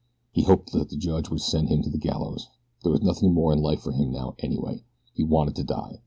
He hoped that the judge would send him to the gallows. There was nothing more in life for him now anyway. He wanted to die.